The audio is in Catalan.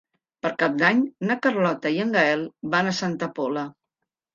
Per Cap d'Any na Carlota i en Gaël van a Santa Pola.